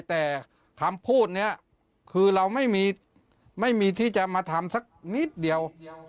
แต่คำพูดนี้คือเราไม่มีที่จะมาทำสักนิดเดียว